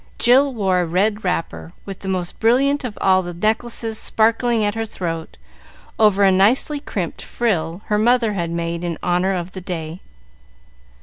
Jill wore a red wrapper, with the most brilliant of all the necklaces sparkling at her throat, over a nicely crimped frill her mother had made in honor of the day.